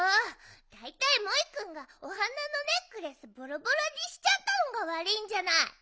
だいたいモイくんがお花のネックレスぼろぼろにしちゃったのがわるいんじゃない！